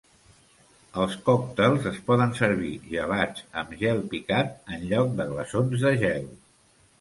Els còctels es poden servir "gelats" amb gel picat enlloc de glaçons de gel.